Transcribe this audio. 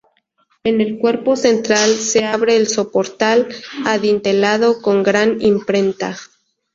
En el cuerpo central se abre el soportal adintelado con gran imprenta.